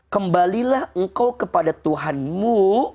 kembalilah engkau kepada tuhanmu